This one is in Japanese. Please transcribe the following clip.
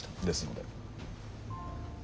ですので。